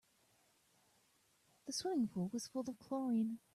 The swimming pool was full of chlorine.